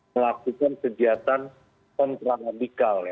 melakukan kegiatan kontra radikal ya